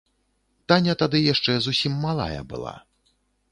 Таня тады яшчэ зусім малая была.